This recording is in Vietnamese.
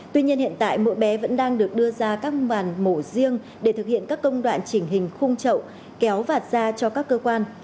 tuy nhiên hiện tại mỗi bé vẫn đang được đưa ra các màn mổ riêng để thực hiện các công đoạn chỉnh hình khung trậu kéo vạt ra cho các cơ quan